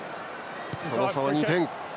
その差は２点。